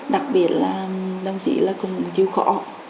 đặc biệt là đồng chí cũng chịu khó